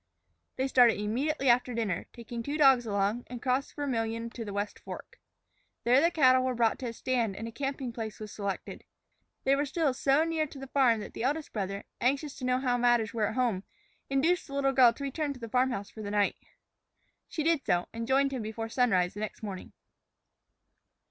They started immediately after dinner, taking two dogs along, and crossed the Vermillion to the West Fork. There the cattle were brought to a stand and a camping place was selected. They were still so near the farm that the eldest brother, anxious to know how matters were at home, induced the little girl to return to the farm house for the night. She did so, and joined him before sunrise next morning.